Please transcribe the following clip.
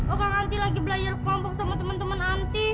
orang anti lagi belajar kompok sama temen temen anti